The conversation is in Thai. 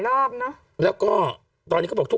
กล้องกว้างอย่างเดียว